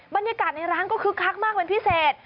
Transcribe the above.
บรรยากาศในร้านก็คึกคักมากเป็นพิเศษ